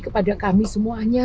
kepada kami semuanya